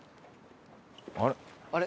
あれ？